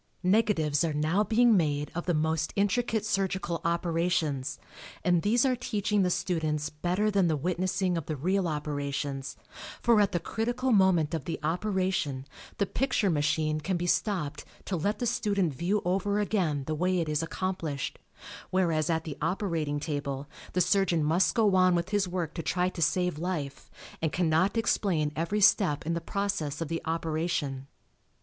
Negatives are now being made of the most intricate surgical operations and these are teaching the students better than the witnessing of the real operations, for at the critical moment of the operation the picture machine can be stopped to let the student view over again the way it is accomplished, whereas at the operating table the surgeon must go on with his work to try to save life and cannot explain every step in the process of the operation.